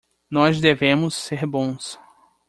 Nós devemos ser bons.